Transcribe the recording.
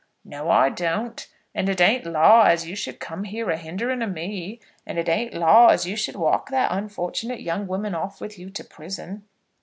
"No, I don't. And it ain't law as you should come here a hindering o' me; and it ain't law as you should walk that unfortunate young woman off with you to prison."